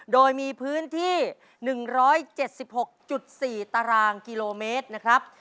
โดยมีพื้นที่๑๗๖๔ตารางกิโลเมตรนะครับ